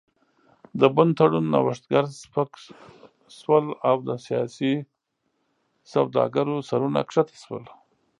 د بن د تړون نوښتګر سپک شول او د سیاسي سوداګرو سرونه ښکته شول.